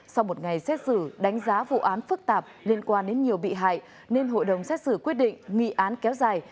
sau một ngày xét xử đánh giá vụ án phức tạp liên quan đến nhiều bị hại nên hội đồng xét xử quyết định nghị án kéo dài